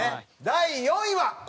第４位は。